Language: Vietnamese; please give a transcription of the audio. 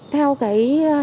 theo cái hiệu quả của phụ huynh